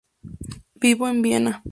Vivió en Viena.